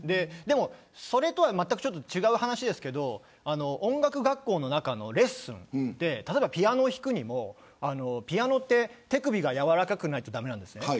それとはまったく違う話ですが音楽学校の中のレッスンで例えばピアノを弾くにもピアノは手首がやわらかくないと駄目なんです。